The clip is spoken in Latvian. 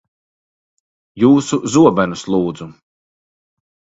Jūsu zobenus, lūdzu.